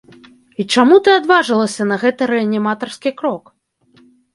І чаму ты адважылася на гэты рэаніматарскі крок?